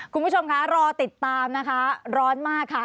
คุณผู้ชมคะรอติดตามนะคะร้อนมากค่ะ